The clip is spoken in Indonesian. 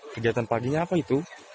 kegiatan paginya apa itu